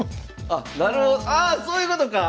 なるほどああそういうことか！